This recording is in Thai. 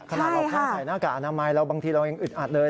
ขนาดเราแค่ใส่หน้ากากอนามัยเราบางทีเรายังอึดอัดเลย